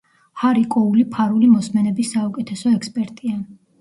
ჰარი კოული ფარული მოსმენების საუკეთესო ექსპერტია.